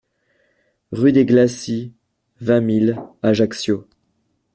Rue des Glaçis, vingt mille Ajaccio